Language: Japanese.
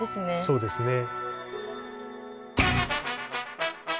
そうですね。